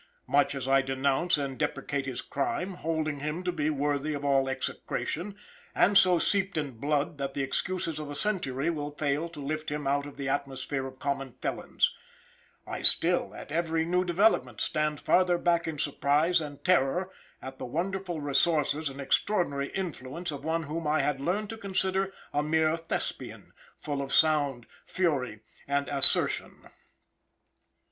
Much as I denounce and deprecate his crime holding him to be worthy of all execration, and so seeped in blood that the excuses of a century will fail to lift him out of the atmosphere of common felons I still, at every new developement, stand farther back in surprise and terror at the wonderful resources and extraordinary influence of one whom I had learned to consider a mere Thespian, full of sound, fury, and assertion.